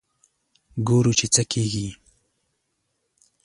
ګورو چې څه کېږي.